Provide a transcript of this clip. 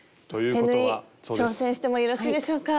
手縫い挑戦してもよろしいでしょうか？